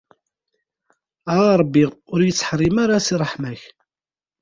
A Rebbi ur yi-ttḥerrim ara si ṛṛeḥma-k.